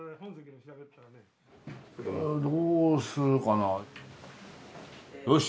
どうするかなよし！